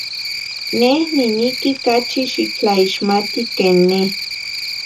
Neh niniqui cachi xitlaixmati que neh.